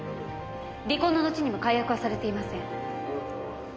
離婚の後にも解約はされていません。